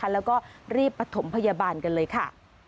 แล้วก็รีบประถมพยาบาลกันเลยค่ะ